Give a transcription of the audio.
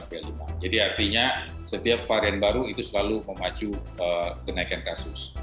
artinya setiap varian baru itu selalu memacu kenaikan kasus